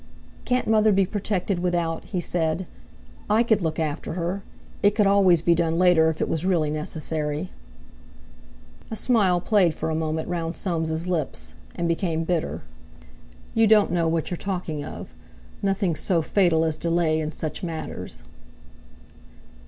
"Can't mother be protected without?" he said. "I could look after her. It could always be done later if it was really necessary." A smile played for a moment round Soames' lips, and became bitter. "You don't know what you're talking of; nothing's so fatal as delay in such matters."